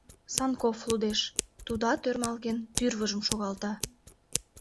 Санков лудеш, тудат, ӧрмалген, тӱрвыжым шогалта.